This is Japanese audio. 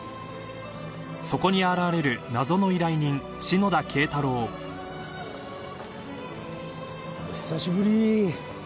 ［そこに現れる謎の依頼人篠田敬太郎］お久しぶり。